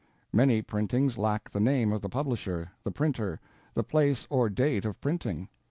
Many printings lack the name of the publisher, the printer, the place or date of printing.